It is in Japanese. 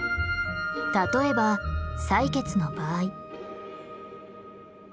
例えば採血の場合。